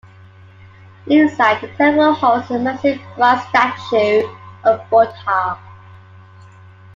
Inside, the temple holds a massive bronze statue of Buddha.